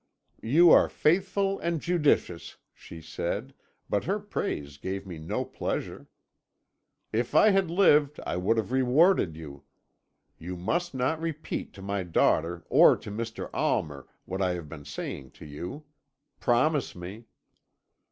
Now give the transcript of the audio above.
"'You are faithful and judicious,' she said, but her praise gave me no pleasure. 'If I had lived I would have rewarded you. You must not repeat to my daughter or to Mr. Almer what I have been saying to you. Promise me.'